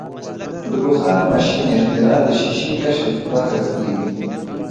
د بخار ماشین اختراع د شیشې کشف بحث کیږي.